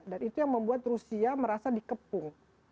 dan itu yang membuat rusia merasa dikepung